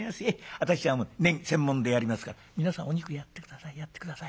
私はネギ専門でやりますから皆さんお肉やって下さいやって下さい」。